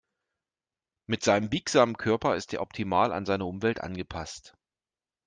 Mit seinem biegsamen Körper ist er optimal an seine Umwelt angepasst.